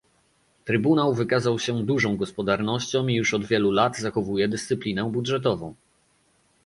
Trybunał wykazał się dużą gospodarnością i już od wielu lat zachowuje dyscyplinę budżetową